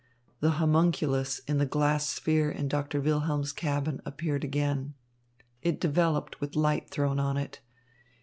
The homunculus in the glass sphere in Doctor Wilhelm's cabin appeared again. It developed with light thrown on it.